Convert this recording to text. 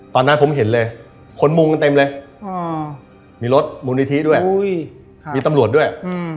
ตอนนั้นผมเห็นเลยคนมุงกันเต็มเลยมีรถมูลนิธิด้วยมีตำรวจด้วย